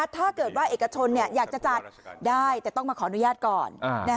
ถ้าเกิดว่าเอกชนอยากจะจัดได้แต่ต้องมาขออนุญาตก่อน